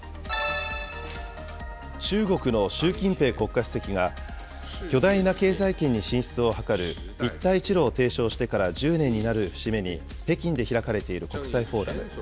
中国の習近平国家主席が、巨大な経済圏に進出を図る一帯一路を提唱してから１０年になる節目に北京で開かれている国際フォーラム。